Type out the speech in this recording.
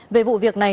về vụ việc này